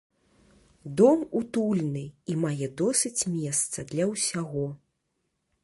Дом утульны і мае досыць месца для ўсяго.